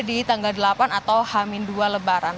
di tanggal delapan atau hamin dua lebaran